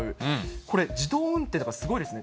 これ、自動運転だからすごいですね。